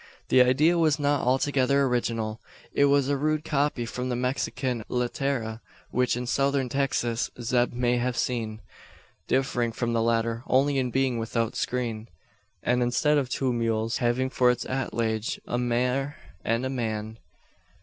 The idea was not altogether original. It was a rude copy from the Mexican litera, which in Southern Texas Zeb may have seen differing from the latter only in being without screen, and instead of two mules, having for its atelage a mare and a man!